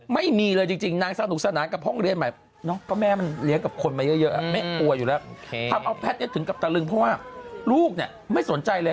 แต่ตะยังไม่ควบมันก็แม่ก็พาออกมาจากบ้านไปทำงานแล้วมันก็ไม่กลัวคนเลย